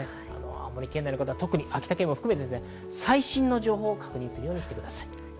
青森県内の方、特に秋田県も含めて最新の情報を確認するようにしてください。